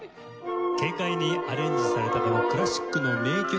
軽快にアレンジされたこのクラシックの名曲。